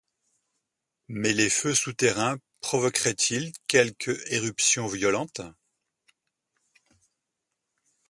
Mais les feux souterrains provoqueraient-ils quelque éruption violente